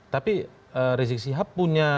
tapi rezik syihab punya